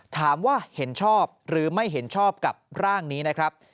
ถามว่าเห็นชอบหรือไม่เห็นชอบกับร่างนี้นะครับ